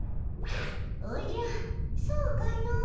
おじゃそうかの。